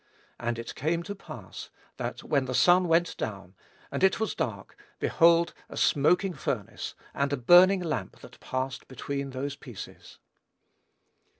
And it came to pass, that when the sun went down, and it was dark, behold, a smoking furnace, and a burning lamp that passed between those pieces."